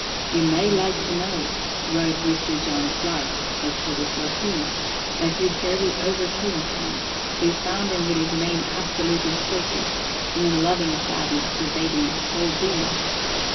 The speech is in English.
"You may like to know," wrote Mr. John Clark (Oct. 13), "that you fairly overcame Pan. We found him with his mane absolutely silky, and a loving sadness pervading his whole being."